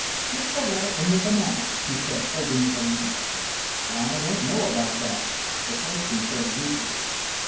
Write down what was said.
"Stick the letter in the banana," he said, holding the banana down. "I don't know about that," the postman said, ruefully.